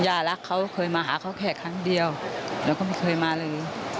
รักเขาเคยมาหาเขาแค่ครั้งเดียวแล้วก็ไม่เคยมาเลย